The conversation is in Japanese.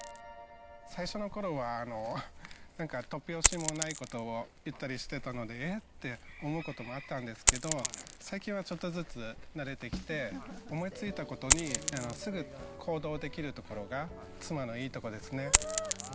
最初のころは、なんか突拍子もないことを言ったりしてたので、えっ？って思うこともあったんですけど、最近はちょっとずつ慣れてきて、思いついたことにすぐ行動できるところが妻のいいとこですね。